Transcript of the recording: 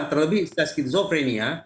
terlebih setelah skizofrenia